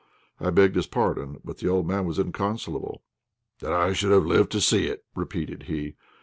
I begged his pardon, but the old man was inconsolable. "That I should have lived to see it!" repeated he.